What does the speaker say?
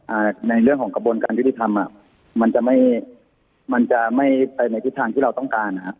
ในเรื่องของกระบวนการยุติธรรมอ่ะมันจะไม่มันจะไม่ไปในทิศทางที่เราต้องการนะฮะ